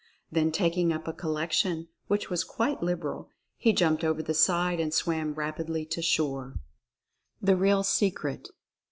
Then taking up a col lection, which was quite liberal, he jumped over the side and swam rapidly to shore. THE REAL SECRET.